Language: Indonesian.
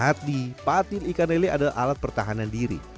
hati hati patil ikan lele adalah alat pertahanan diri